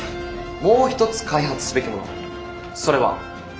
もう一つ開発すべきものそれは。